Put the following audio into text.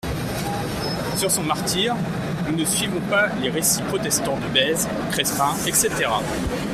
Sur son martyre, nous ne suivrons pas les récits protestants de Bèze, Crespin, etc.